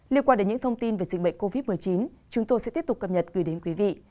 liên quan đến những thông tin về dịch bệnh covid một mươi chín chúng tôi sẽ tiếp tục cập nhật gửi đến quý vị